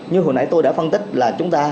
như hồi nãy tôi đã phân tích là chúng ta